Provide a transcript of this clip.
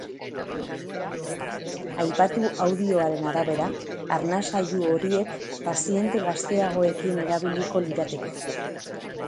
Aipatu audioaren arabera, arnasgailu horiek paziente gazteagoekin erabiliko lirateke.